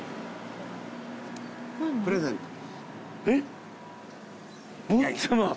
えっ？